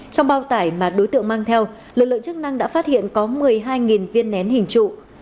trong bao tải mà đối tượng mang theo lực lượng chức năng đã phát hiện có một mươi hai viên nén hình trụ